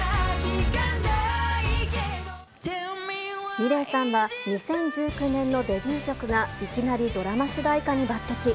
ミレイさんは、２０１９年のデビュー曲がいきなりドラマ主題歌に抜てき。